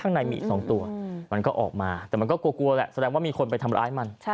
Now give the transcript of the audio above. ข้างในมีอีก๒ตัวมันก็ออกมาแต่มันก็กลัวแหละแสดงว่ามีคนไปทำร้ายมัน